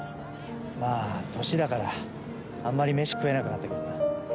まあ年だから。あまり飯食えなくなったけどな。